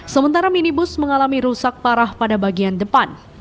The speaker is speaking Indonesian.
sementara minibus mengalami rusak parah pada bagian depan